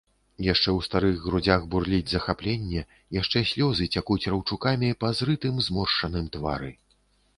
Яшчэ ў старых грудзях бурліць захапленне, яшчэ слёзы цякуць раўчакамі па зрытым, зморшчаным твары.